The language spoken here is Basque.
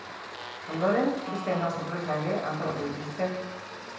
Ondoren, beste hainbat sorpresa ere antolatu dituzte.